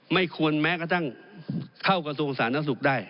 ไม่ควรแม้กระทั่งเข้ากับส่วนศาลนักศึกษ์ได้